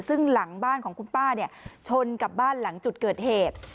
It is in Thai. ซึ่งหลังบ้านของคุณป้าชนกับบ้านหลังจุดเกิดเหตุ